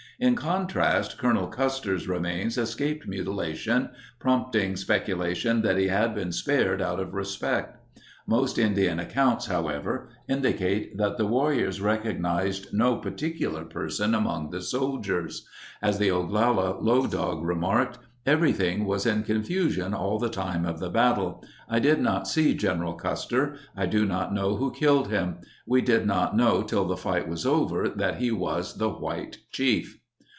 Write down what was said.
In con trast, Colonel Custer's re mains escaped mutilation, prompting speculation that he had been spared out of respect. Most Indian ac counts, however, indicate that the warriors recognized 108 Custer Hill Custer Battlefield National Cemetery. no particular person among the soldiers. As the Oglala Low Dog remarked: "Every thing was in confusion all the time of the fight. I did not see General Custer. I do not know who killed him. We did not know till the fight was over that he was the white chief."